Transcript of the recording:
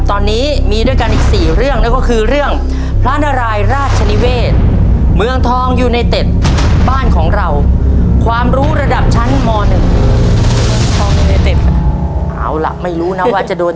ขอบคุณมากครับและความยอมชาวควาย